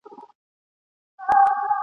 نه غوټۍ سته نه ګلاب یې دی ملګری د خوښیو ..